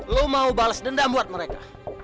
lo mau balas dendam buat mereka